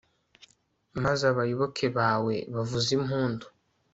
maze abayoboke bawe bavuze impundu